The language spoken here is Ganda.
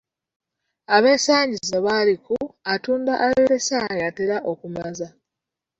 Ab'ensangi zino bali ku, "Atunda ayolesa yatera okumaza"